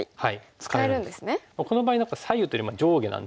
この場合何か左右というよりも上下なんですけど。